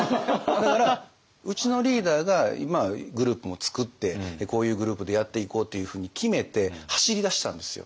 だからうちのリーダーが今グループも作ってこういうグループでやっていこうっていうふうに決めて走りだしたんですよ。